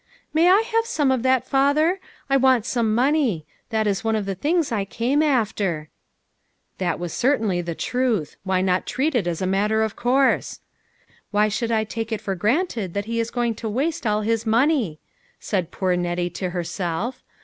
"May I have some of that, father? I want some money. That was one of the things I came after." This was certainly the truth. Why not treat it as a matter of course ?" Why should I take it for granted that he is going to waste all his money ?" said poor Nettie to herself.